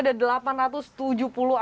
oke binah strategasi yang telantar